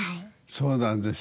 そうなんですか。